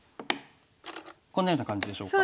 こんなような感じでしょうか？